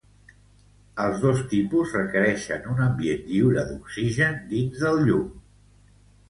Els dos tipus requerixen un ambient lliure d'oxigen dins del llum.